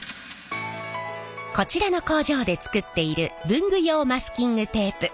こちらの工場で作っている文具用マスキングテープ。